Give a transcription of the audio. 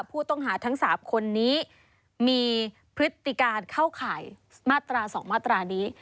ผู้ต้องหาทั้ง๓คนนี้มีพฤติการเข้าข่ายมาตรา๒มาตรานี้